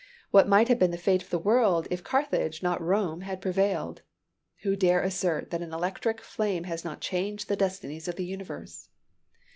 What might have been the fate of the world if Carthage, not Rome, had prevailed? Who dare assert that an electric flame has not changed the destinies of the universe?